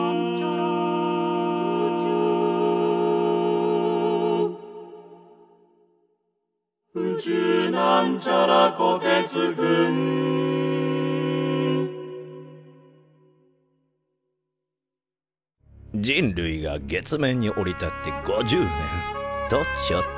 「宇宙」人類が月面に降り立って５０年！とちょっと。